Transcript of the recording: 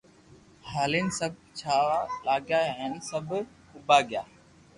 ھالين سب جاوا لاگيا ھين سب اوويا گيا